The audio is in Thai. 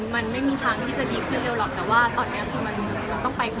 มันไม่มีทางที่จะดีขึ้นเร็วหรอก